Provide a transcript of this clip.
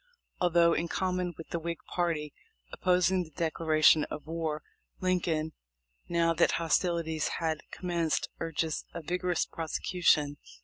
Although, in common with the Whig party, opposing the declaration of war, Lincoln, now that hostilities had commenced, urges a vigorous prosecution.